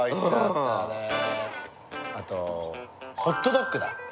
あとホットドッグだ。